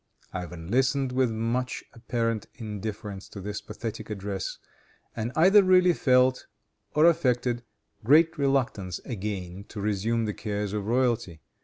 Ivan listened with much apparent indifference to this pathetic address, and either really felt, or affected, great reluctance again to resume the cares of royalty.